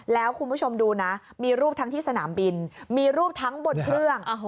แล้วคุณผู้ชมดูนะมีรูปทั้งที่สนามบินมีรูปทั้งบนเครื่อง